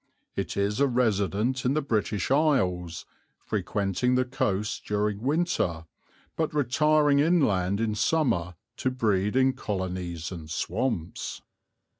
It is a resident in the British Isles, frequenting the coasts during winter, but retiring inland in summer to breed in colonies in swamps."